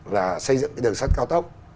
là xây dựng đường sắt cao tốc